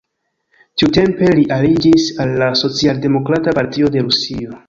Tiutempe li aliĝis al la Socialdemokrata Partio de Rusio.